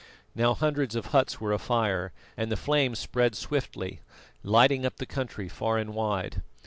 Now hundreds of huts were afire, and the flames spread swiftly, lighting up the country far and wide.